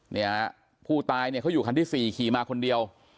เนี่ยผู้ตายเนี่ยเขาอยู่คันที่๔ขี่มาคนเดียว